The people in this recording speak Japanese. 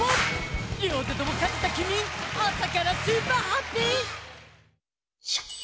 両手ともかてたきみあさからスーパーハッピー！